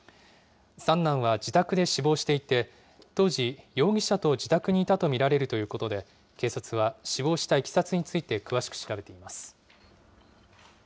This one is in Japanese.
三男は自宅で死亡していて、当時、容疑者と自宅にいたと見られるということで、警察は死亡したいきさつについて詳しく調べています。